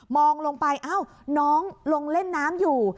องลงไปเอ้าน้องลงเล่นน้ำอยู่